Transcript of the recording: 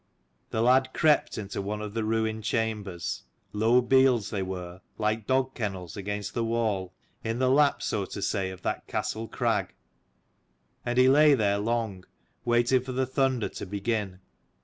The lad crept into one of the ruined chambers, low bields they were, like dog kennels against the wall, in the lap, so to say, of that Castle crag: and he lay there long, waiting for the thunder to begin.